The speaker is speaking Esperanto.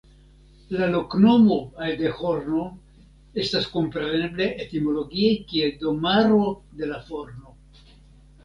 La loknomo "Aldehorno" estas komprenebla etimologie kiel Domaro de la Forno.